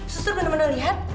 suster benar benar lihat